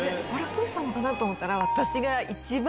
どうしたのかな？と思ったら。